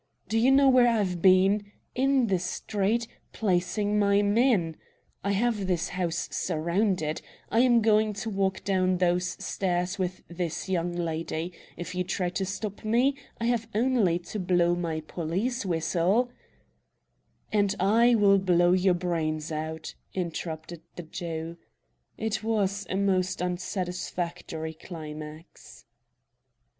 "Do you know where I've been? In the street, placing my men. I have this house surrounded. I am going to walk down those stairs with this young lady. If you try to stop me I have only to blow my police whistle " "And I will blow your brains out!" interrupted the Jew. It was a most unsatisfactory climax.